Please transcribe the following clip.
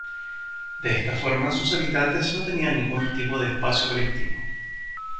De esta forma, sus habitantes no tenían ningún tipo de espacio colectivo.